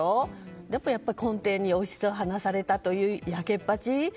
やっぱり根底には王室を離されたというやけっぱち？